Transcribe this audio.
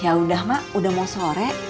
yaudah mak udah mau sore